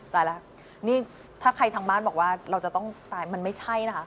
ตายแล้วนี่ถ้าใครทางบ้านบอกว่าเราจะต้องตายมันไม่ใช่นะคะ